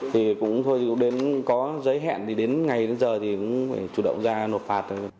thì cũng thôi có giấy hẹn thì đến ngày đến giờ thì cũng phải chủ động ra nộp phạt